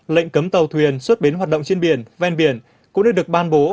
lệnh cấm tàu thuyền xuất biến hoạt động trên biển ven biển cũng được ban bố